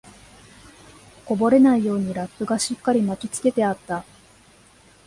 こぼれないようにラップがしっかり巻きつけてあった